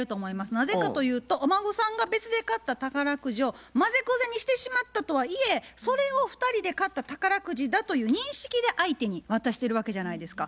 なぜかというとお孫さんが別で買った宝くじをまぜこぜにしてしまったとはいえそれを２人で買った宝くじだという認識で相手に渡してるわけじゃないですか。